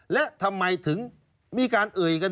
และทำไมถึงมีการเอ่ยกัน